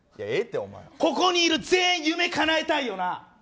ここにいる全員夢かなえたいよな。